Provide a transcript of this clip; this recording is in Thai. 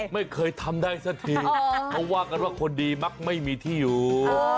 ไม่เคยทำได้สักทีเพราะว่ากันว่าคนดีมักไม่มีที่อยู่